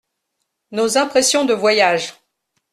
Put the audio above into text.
Nos impressions de voyage !